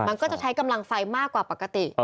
มันก็จะใช้กำลังไฟมากกว่าปกติ